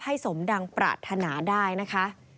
สมดังปรารถนาได้นะคะ